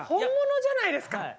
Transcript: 本物じゃないですか。